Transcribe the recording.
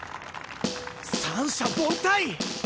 三者凡退！